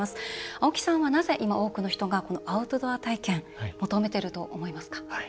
青木さんはなぜ今、多くの人がアウトドア体験求めていると思いますか？